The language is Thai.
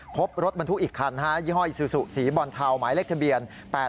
พบรถบรรทุกอีกคันยี่ห้อยซูซูสีบอลเทาหมายเลขทะเบียน๘๘